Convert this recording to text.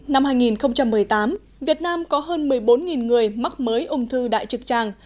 năm hai nghìn một mươi tám việt nam có hơn một mươi bốn người mắc mới ung thư đại trực tràng